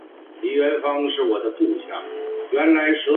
钝裂天胡荽为伞形科天胡荽属下的一个变种。